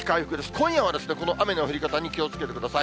今夜はこの雨の降り方に気をつけてください。